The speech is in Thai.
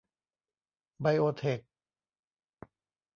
ไบโอเทค